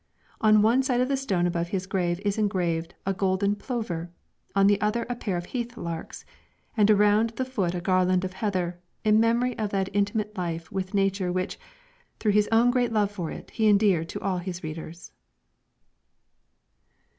On one side of the stone above his grave is engraved a golden plover, on the other a pair of heath larks, and around the foot a garland of heather, in memory of that intimate life with nature which, through his own great love for it, he endeared to all his readers.